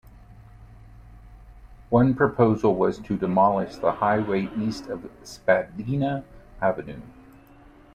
One proposal was to demolish the highway east of Spadina Avenue.